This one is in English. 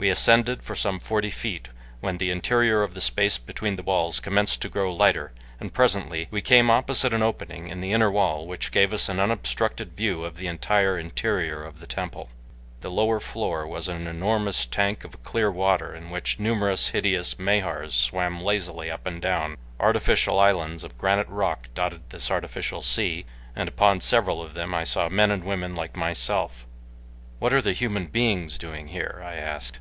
We ascended for some forty feet when the interior of the space between the walls commenced to grow lighter and presently we came opposite an opening in the inner wall which gave us an unobstructed view of the entire interior of the temple. The lower floor was an enormous tank of clear water in which numerous hideous Mahars swam lazily up and down. Artificial islands of granite rock dotted this artificial sea, and upon several of them I saw men and women like myself. "What are the human beings doing here?" I asked.